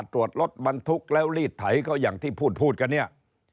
ตรวจรถบรรทุกแล้วรีดไถก็อย่างที่พูดพูดกันเนี่ย